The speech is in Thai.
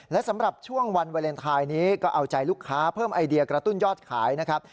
และสำหรับช่วงวันวาเลนไทยนี้ก็เอาใจลูกค้าเพิ่มไอเดียกระตุ้นยอดขายนะครับ